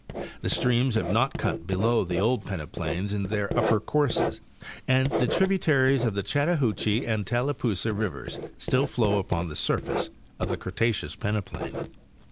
The streams have not cut below the old peneplains in their upper courses and the tributaries of the Chattahoochee and Tallapoosa rivers still flow upon the surface of the Cretaceous peneplain.